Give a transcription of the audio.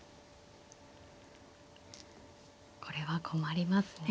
これは困りますね。